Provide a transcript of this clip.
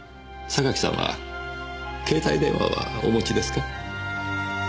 榊さんは携帯電話はお持ちですか？